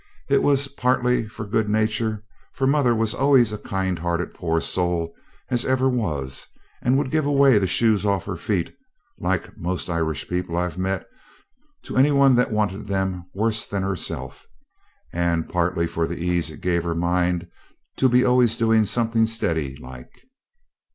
It was partly for good nature, for mother was always a kind hearted poor soul as ever was, and would give away the shoes off her feet like most Irish people I've met to any one that wanted them worse than herself, and partly for the ease it gave her mind to be always doing something steady like.